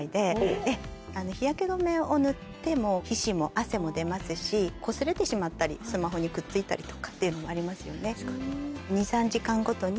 日焼け止めを塗っても皮脂も汗も出ますしこすれてしまったりスマホにくっついたりとかっていうのもありますよね。